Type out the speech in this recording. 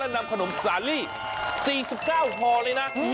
และนำขนมสารี่๔๙ห่อเลยนะ